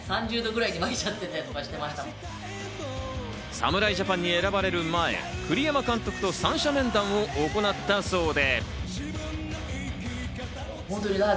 侍ジャパンに選ばれる前、栗山監督と三者面談を行ったそうで。